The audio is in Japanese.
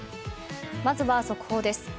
まずは速報です。